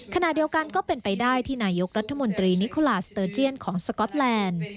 ขณะเดียวกันก็เป็นไปได้ที่นายกรัฐมนตรีนิคุลาสเตอร์เจียนของสก๊อตแลนด์